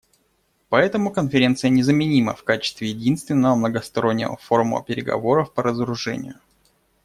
Поэтому Конференция незаменима в качестве единственного многостороннего форума переговоров по разоружению.